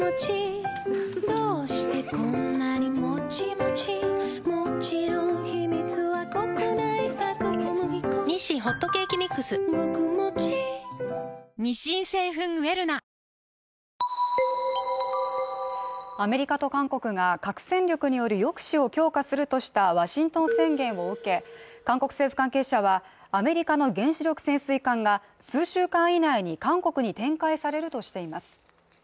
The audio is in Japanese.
モニタリングにアメリカと韓国が核戦力による抑止を強化するとしたワシントン宣言を受け、韓国政府関係者はアメリカの原子力潜水艦が数週間以内に韓国に展開されるとしています。